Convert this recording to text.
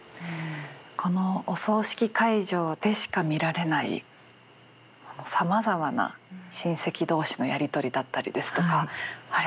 このお葬式会場でしか見られないさまざまな親戚同士のやり取りだったりですとか「あれ？